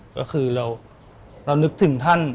ก็คือเรานึกถึงท่าน